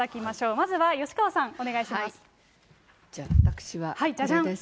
まずは吉川さん、お願いします。